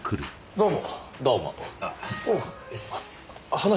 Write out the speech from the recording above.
どうも。